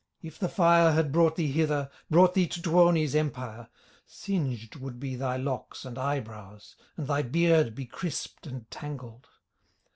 If the fire had brought thee hither, Brought thee to Tuoni's empire, Singed would be thy locks and eyebrows, And thy beard be crisped and tangled.